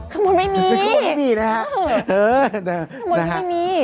ข้างบนไม่มีข้างบนไม่มีนะฮะเออแต่ข้างบนไม่มี